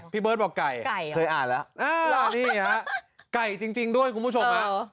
พี่เบิร์ดบอกไก่เคยอ่านแล้วอ๋อนี่ครับไก่จริงด้วยคุณผู้ชม